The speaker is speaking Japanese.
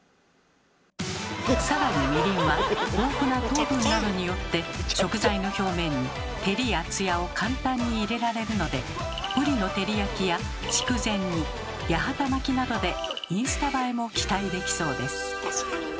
さらにみりんは豊富な糖分などによって食材の表面に照りやツヤを簡単に入れられるのでぶりの照り焼きや筑前煮八幡巻きなどでインスタ映えも期待できそうです。